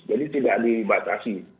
jadi tidak dibatasi